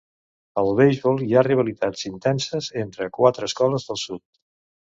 Al beisbol, hi ha rivalitats intenses entre quatre escoles del sud.